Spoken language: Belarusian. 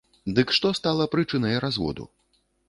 Дык што стала прычынай разводу?